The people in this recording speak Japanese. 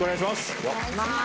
森川）お願いします。